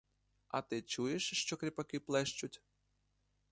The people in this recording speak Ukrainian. А ти чуєш, що кріпаки плещуть?